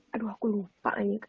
aduh aku lupa ini